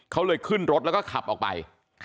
เขาเลยขึ้นรถแล้วก็ขับออกไป